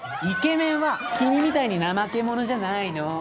イケメンは君みたいにナマケモノじゃないの！